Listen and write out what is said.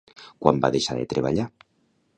Quan va deixar de treballar?